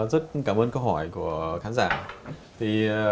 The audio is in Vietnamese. rất cảm ơn câu hỏi của khán giả